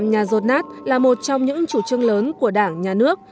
xóa nhà tạo nhà rột nát là một trong những chủ trương lớn của đảng nhà nước